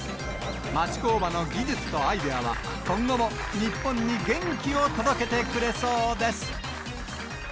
町工場の技術とアイデアは、今後も日本に元気を届けてくれそうです。